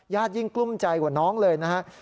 ยิ่งกลุ้มใจกว่าน้องเลยนะครับ